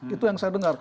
itu yang saya dengar